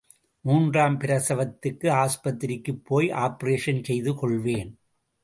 மூன்றாம் பிரசவத்துக்கு ஆஸ்பத்திரிக்கும் போய் ஆப்பரேஷன் செய்து கொள்வேன்.